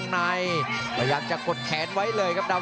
หนึ่งอีกแล้วครับ